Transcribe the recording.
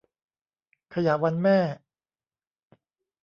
ขยะวันแม่